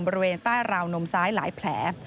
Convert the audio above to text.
บริเวณใต้ราวนมซ้ายหลายแผล